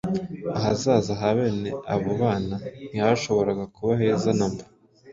Ahazaza ha bene abo bana ntihashobora kuba heza na mba.